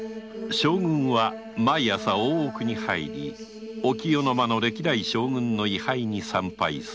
将軍は毎朝大奥に入り御清の間の歴代将軍の位牌に参拝する